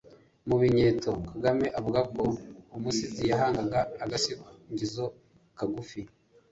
mu binyeto kagame avuga ko umusizi yahangaga agasingizo kagufi